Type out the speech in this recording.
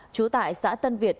chú tại xã tân việt